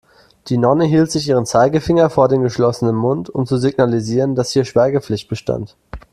Die Nonne hielt sich ihren Zeigefinger vor den geschlossenen Mund, um zu signalisieren, dass hier Schweigepflicht bestand.